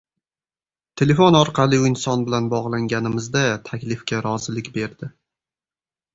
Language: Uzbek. Telefon orqali u inson bilan bogʻlanganimizda, taklifga rozilik berdi.